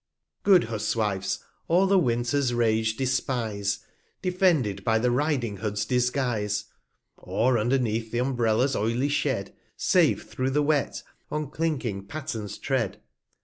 Good Huswives all the Winter's Rage despise, Defended by the Riding hood's Disguise; 210 Or underneath th' Umbrellas oily Shed, Safe thro' the Wet on clinking Pattens tread.